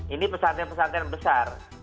ini pesantren pesantren besar